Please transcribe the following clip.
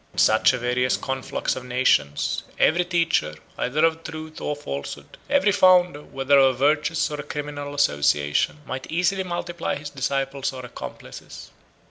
In such a various conflux of nations, every teacher, either of truth or falsehood, every founder, whether of a virtuous or a criminal association, might easily multiply his disciples or accomplices.